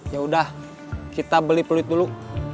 yaudah kita beli peluit dulu